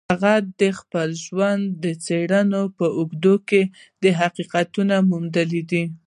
هغه د خپل ژوند د څېړنو په اوږدو کې دا حقیقت موندلی دی